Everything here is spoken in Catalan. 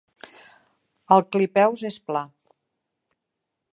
El clipeus és pla.